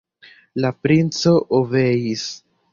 La princo obeis.